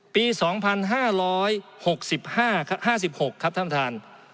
ปี๒๕๖๕๖ครับท่านท่าน